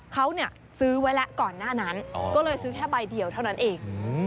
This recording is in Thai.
เขาซื้อไว้แล้วก่อนหน้านั้นก็เลยซื้อแค่ใบเดียวเท่านั้นเอง